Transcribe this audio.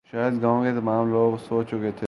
شاید گاؤں کے تمام لوگ سو چکے تھے